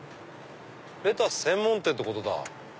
レタス専門店ってことだ。